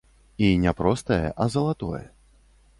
І не простае, а залатое.